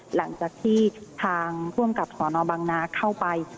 หลังจากที่ทางผู้อำกับสนบังนาเข้าไป